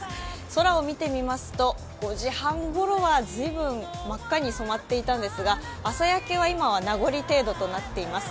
空を見てみますと、５時半ごろは随分真っ赤に染まっていたんですが朝焼けは今は、なごり程度となっています。